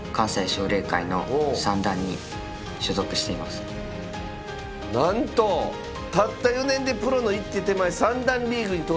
さあなんとたった４年でプロの一手手前三段リーグに到達しております。